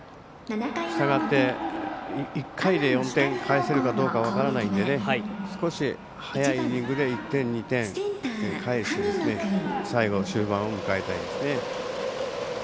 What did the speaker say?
１回で４点返せるかどうか分からないので少し早いイニングで１点、２点かえして最後、終盤を迎えたいですね。